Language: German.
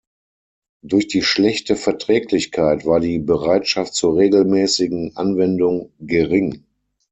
Durch die schlechte Verträglichkeit war die Bereitschaft zur regelmäßigen Anwendung gering.